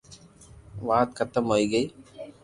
وات ختم ھوئي گئي